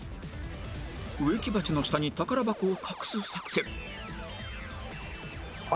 植木鉢の下に宝箱を隠す作戦